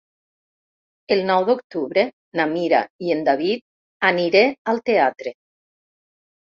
El nou d'octubre na Mira i en David aniré al teatre.